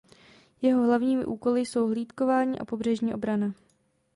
Jeho hlavními úkoly jsou hlídkování a pobřežní obrana.